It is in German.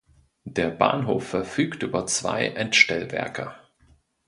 Der Bahnhof verfügt über zwei Endstellwerke.